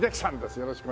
よろしく。